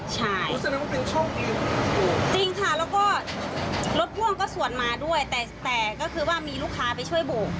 ใช่จริงค่ะแล้วก็รถพ่วงก็สวดมาด้วยแต่ก็คือว่ามีลูกค้าไปช่วยบก